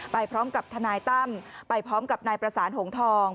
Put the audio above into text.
ไปพร้อมกับทนายตั้มไปพร้อมกับนายประสานหงทอง